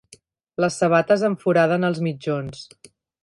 Les sabates em foraden els mitjons.